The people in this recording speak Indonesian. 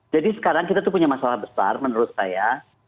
jadi sekarang kita punya masalah besar menurut saya